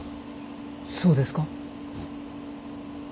そうですか？